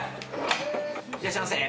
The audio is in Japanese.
・いらっしゃいませ。